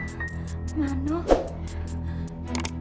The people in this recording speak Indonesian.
kamu gak pantas tinggal disini nak